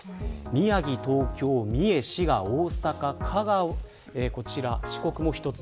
宮城、東京、三重、滋賀大阪、香川四国も１つ。